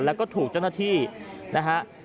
แล้วก็ถูกเจ้าหน้าที่นะฮะ